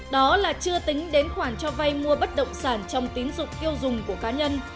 đó là chưa tính đến khoản cho vay mua bất động sản trong tín dụng tiêu dùng của cá nhân